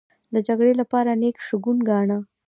د جګړې لپاره نېک شګون گاڼه.